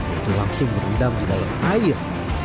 itu langsung merendam di dalam air